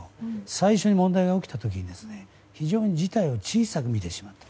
最初に問題が起きた時に非常に事態を小さく見てしまった。